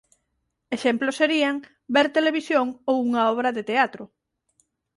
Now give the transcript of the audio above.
Exemplos serían ver televisión ou unha obra de teatro.